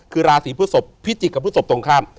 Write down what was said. คือราศรีพฤศพิจิกต์กับพฤศพิจิกต์ตรงข้าม